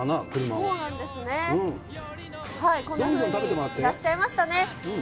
そうなんですね、こんなふうにいらっしゃいましたね。